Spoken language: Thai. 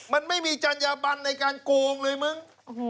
มันไม่มีจัญญาบันในการโกงเลยมึง